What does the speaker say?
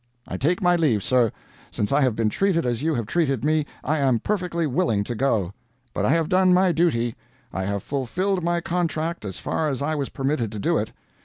I take my leave, sir. Since I have been treated as you have treated me, I am perfectly willing to go. But I have done my duty. I have fulfilled my contract as far as I was permitted to do it.